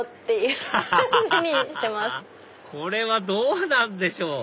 アハハハハこれはどうなんでしょう？